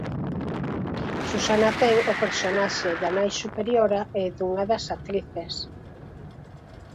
Susana ten o personaxe da Nai Superiora e dunha das actrices.